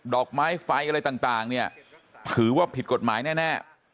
อกไม้ไฟอะไรต่างเนี่ยถือว่าผิดกฎหมายแน่